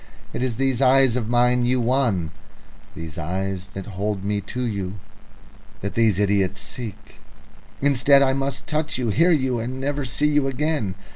It is these eyes of mine you won, these eyes that hold me to you, that these idiots seek. Instead, I must touch you, hear you, and never see you again.